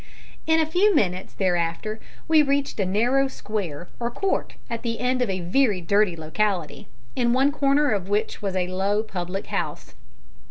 In a few minutes thereafter we reached a narrow square or court at the end of a very dirty locality, in one corner of which was a low public house.